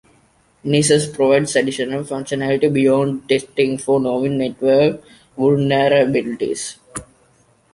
Nessus provides additional functionality beyond testing for known network vulnerabilities.